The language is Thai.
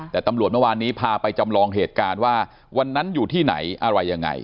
แต่ตำรวจเมื่อวานนี้พาไปจำลองเหตุการณ์ว่าวันนั้นอยู่ที่ไหนอะไรยังไง